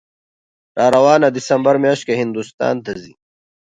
راروانه دسامبر میاشت کې هندوستان ته ځي